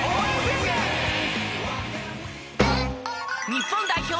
日本代表